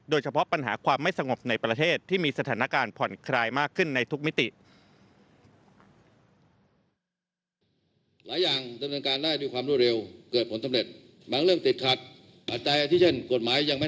โดยเฉพาะปัญหาความไม่สงบในประเทศที่มีสถานการณ์ผ่อนคลายมากขึ้นในทุกมิติ